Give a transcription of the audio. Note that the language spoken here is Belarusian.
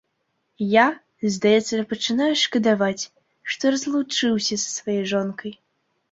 Я, здаецца, пачынаю шкадаваць, што разлучыўся са сваёй жонкай.